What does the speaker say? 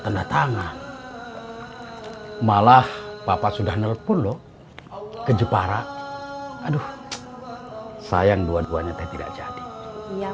tanda tangan malah papa sudah nelpon loh ke jepara aduh sayang dua duanya tidak jadi yang